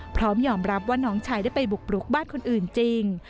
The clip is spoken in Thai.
พร้อมยอมรับว่าน้องชายได้ไปบุกปลุกบ้านคนอื่นจริง